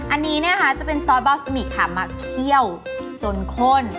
อันนี้นะคะจะเป็นซอสบอสมิกค่ะมาเคี่ยวจนข้น